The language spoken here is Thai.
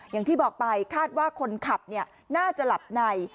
อย่างที่บอกไปคาดว่าคนขับน่าจะหลับใน